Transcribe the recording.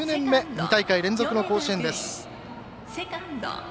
２大会連続の甲子園です。